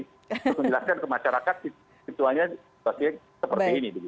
untuk menjelaskan ke masyarakat situasinya pasti seperti ini